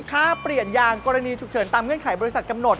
ค่าเปลี่ยนยางกรณีฉุกเฉินตามเงื่อนไขบริษัทกำหนด